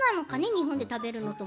日本で食べるものと。